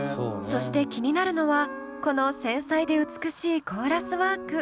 そして気になるのはこの繊細で美しいコーラスワーク。